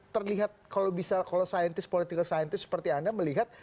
terlihat kalau bisa kalau politik politis seperti anda melihat